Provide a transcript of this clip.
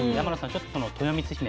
ちょっとそのとよみつひめ